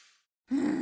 うん。